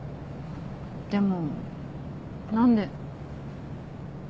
でも何で？